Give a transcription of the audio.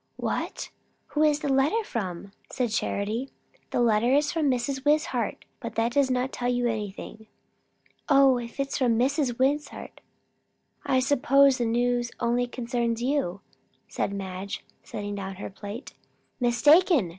"What? Who is the letter from?" said Charity. "The letter is from Mrs. Wishart, but that does not tell you anything." "O, if it is from Mrs. Wishart, I suppose the news only concerns you," said Madge, setting down her plate. "Mistaken!"